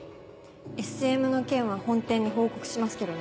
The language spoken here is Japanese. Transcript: ＳＭの件は本店に報告しますけどね。